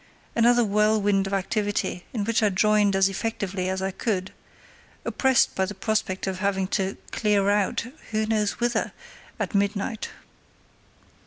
Another whirlwind of activity, in which I joined as effectively as I could, oppressed by the prospect of having to "clear out"—who knows whither?—at midnight.